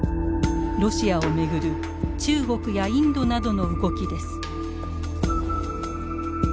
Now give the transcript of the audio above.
ロシアを巡る中国やインドなどの動きです。